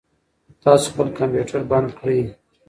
تاسو خپل کمپیوټر بند کړئ.